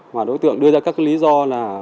mà đối tượng đưa ra các lý do là